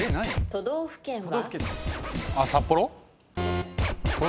都道府県は？